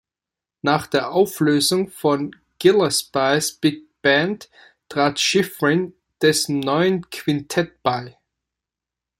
Nach der Auflösung von Gillespies Big Band trat Schifrin dessen neuem Quintett bei.